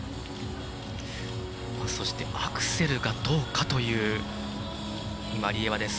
そして、アクセルがどうかというワリエワ。